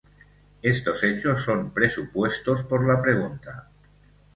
Estos hechos son presupuestos por la pregunta.